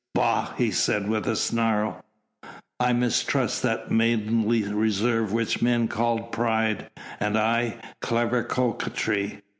"Bah!" he said with a snarl, "I mistrust that maidenly reserve which men call pride, and I, clever coquetry.